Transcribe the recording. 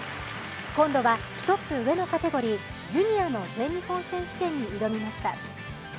今度は１つ上のカテゴリー、ジュニアの全日本選手権に挑みました。